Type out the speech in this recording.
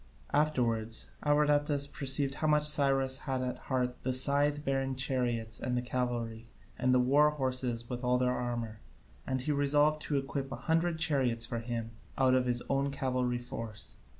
Afterwards Abradatas perceived how much Cyrus had at heart the scythe bearing chariots and the cavalry and the war horses with their armour, and he resolved to equip a hundred chariots for him out of his own cavalry force.